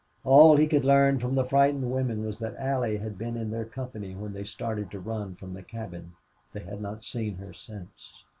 All he could learn from the frightened women was that Allie had been in their company when they started to run from the cabin. They had not seen her since.